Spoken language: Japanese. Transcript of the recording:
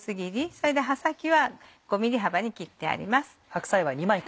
それで葉先は５ｍｍ幅に切ってあります。